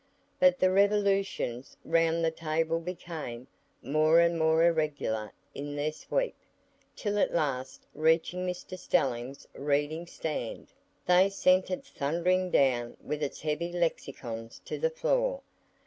But the revolutions round the table became more and more irregular in their sweep, till at last reaching Mr Stelling's reading stand, they sent it thundering down with its heavy lexicons to the floor.